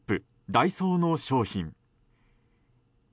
ダイソーの商品。